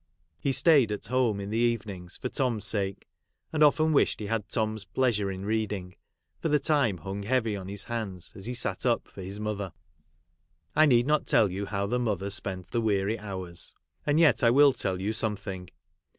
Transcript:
He staid at home in the evenings for Tom's sake, and often wished he had Tom's pleasure in reading, for the time hung heavy on his hands, as he sat up for his mother. I need not tell you how the mother spent the weary hours. And yet I will tell you something.